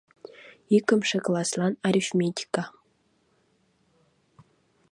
Икымше класслан арифметика...